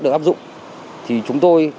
được áp dụng thì chúng tôi